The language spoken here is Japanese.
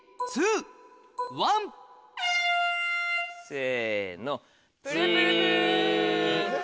せの。